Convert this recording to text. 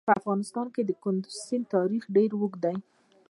په افغانستان کې د کندز سیند تاریخ ډېر اوږد دی.